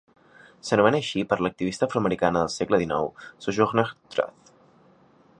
S'anomena així per l'activista afroamericana del segle XIX, Sojourner Truth.